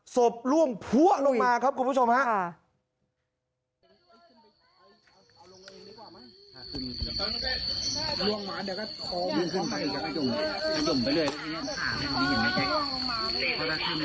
ศพล่วงพัวลงมาครับคุณผู้ชมครับ